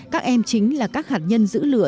các em chính là các hạt nhân giữ lửa